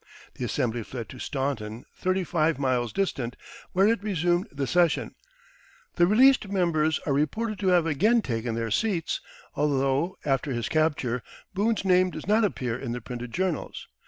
The Assembly fled to Staunton, thirty five miles distant, where it resumed the session. The released members are reported to have again taken their seats, although, after his capture, Boone's name does not appear in the printed journals.